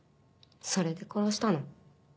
それで殺したの？